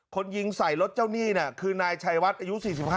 คนยิงใส่รถเจ้าหนี้คือนายชัยวัดอายุ๔๕